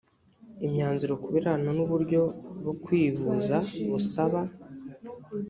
imyanzuro ku birebana n uburyo bwo kwivuza busaba